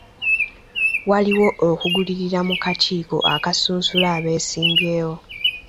Waaliwo okugulirira mu kakiiko akasunsula abeesimbyewo.